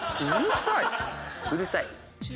「うるさい」？